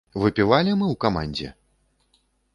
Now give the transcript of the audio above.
Выпівалі мы ў камандзе?